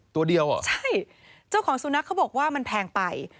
ตัวเดียวเหรอใช่เจ้าของสุนัขเขาบอกว่ามันแพงไป